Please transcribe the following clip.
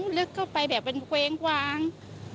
คนลึกเข้าไปแบบมันเว้งฟ้าง